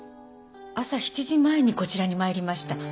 朝７時前にこちらに参りました。